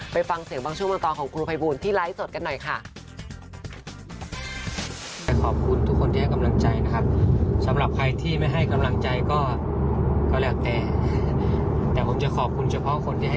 ไปฟังเสียงบางช่วงบางตอนของคุณภัยบูลที่ไลฟ์สดกันหน่อยค่ะ